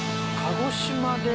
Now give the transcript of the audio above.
鹿児島で。